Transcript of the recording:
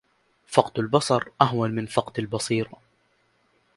فقد البصر أهون من فقد البصيرة.